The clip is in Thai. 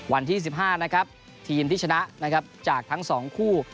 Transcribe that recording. วันที่๑๕นะครับทีมที่ชนะนะครับจากทั้ง๒คู่